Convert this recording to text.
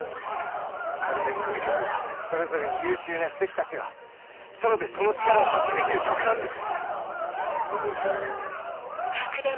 『カルメン組曲』はそれぞれに優秀な首席たちがソロでその力を発揮できる曲なんです。